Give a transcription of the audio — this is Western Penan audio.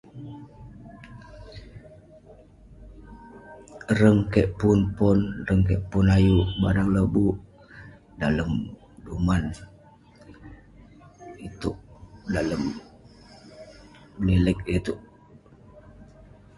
Reng keik pun pon, reng keik pun ayuk barang lobuk, dalem duman itouk, dalem blelek itouk.